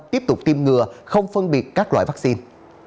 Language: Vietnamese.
tiếp tục tiêm ngừa không phân biệt các loại vaccine